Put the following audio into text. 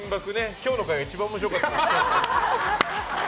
今日の回が一番面白かった。